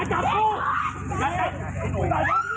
สองอน